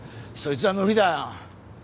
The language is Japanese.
そいつは無理だよ。